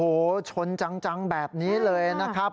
โอ้โหชนจังแบบนี้เลยนะครับ